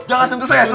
jangan sentuh saya sus